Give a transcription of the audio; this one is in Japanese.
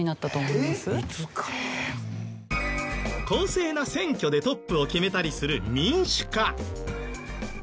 公正な選挙でトップを決めたりする民主化。